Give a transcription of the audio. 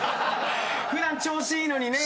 普段調子いいのにね。